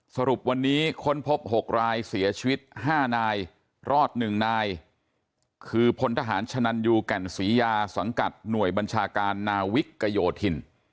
สรุปวันนี้ค้นพบ๖รายเสียชีวิต๕นายรอด๑นายคือพลทหารชะนันยูแก่นศรียาสังกัดหน่วยบัญชาการนาวิกกโยธิน